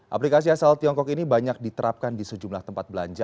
aplikasi asal tiongkok ini banyak diterapkan di sejumlah tempat belanja